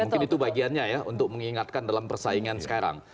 mungkin itu bagiannya ya untuk mengingatkan dalam persaingan sekarang